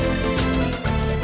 teganya teganya teganya